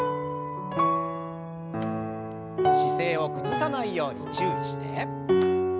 姿勢を崩さないように注意して。